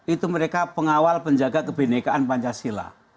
itu mereka pengawal penjaga kebenekaan pancasila